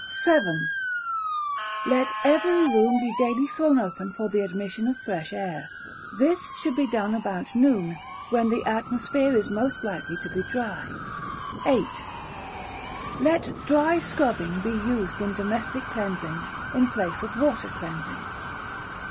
vii. Let every Room be daily thrown open for the admission of fresh air; this should be done about noon, when the atmosphere is most likely to be dry. viii. Let Dry Scrubbing be used in domestic cleansing in place of water cleansing.